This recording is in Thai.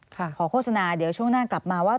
ขอโฆษณาเดี๋ยวช่วงหน้ากลับมาว่า